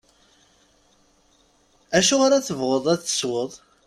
Acu ara tebɣuḍ ad tesweḍ?